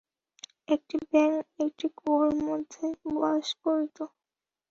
একটি ব্যাঙ একটি কুয়ার মধ্যে বাস করিত।